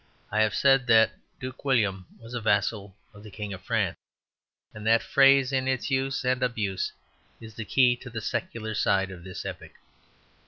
I have said that Duke William was a vassal of the King of France; and that phrase in its use and abuse is the key to the secular side of this epoch.